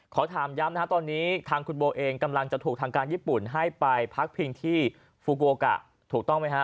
ขอถามย้ำนะฮะตอนนี้ทางคุณโบเองกำลังจะถูกทางการญี่ปุ่นให้ไปพักพิงที่ฟูโกกะถูกต้องไหมฮะ